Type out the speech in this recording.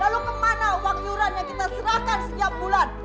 lalu kemana wakil yang kita serahkan setiap bulan